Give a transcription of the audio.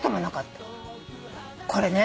これね。